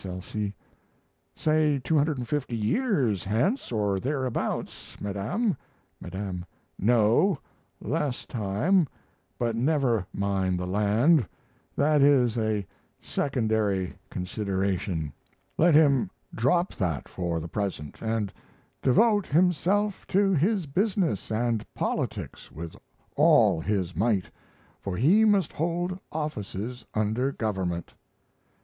L. C.' Say 250 years hence, or thereabouts, Madame 'Madame.' No less time but never mind the land, that is a secondary consideration let him drop that for the present, and devote himself to his business and politics with all his might, for he must hold offices under Government....